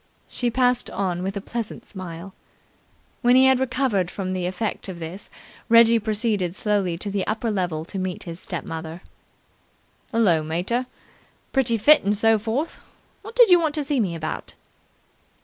She passed on with a pleasant smile. When he had recovered from the effect of this Reggie proceeded slowly to the upper level to meet his step mother. "Hullo, mater. Pretty fit and so forth? What did you want to see me about?"